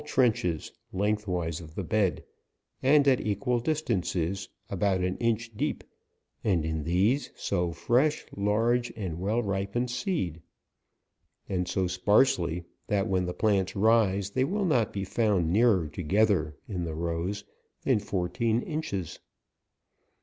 trenches, lengthwise of the bed, and at equal distances, ab6ut an inch deep, and in these sow fresh, large, and well ripened seed, and so sparsely that when the plants rise, they will not be found nearer together (in the rows) than fourteen inches.